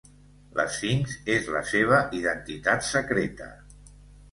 L'Esfinx és la seva identitat secreta.